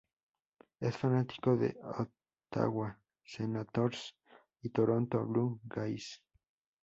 Es fanático de Ottawa Senators y Toronto Blue Jays.